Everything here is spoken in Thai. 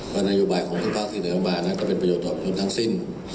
นโยบายของทุกภาคที่เสนอมานั้นก็เป็นประโยชน์ต่อคนทั้งสิ้น